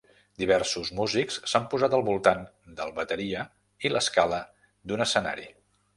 Diversos músics s"han posat al voltant del bateria i l'escala d'un escenari